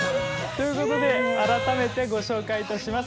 ということで改めてご紹介いたします。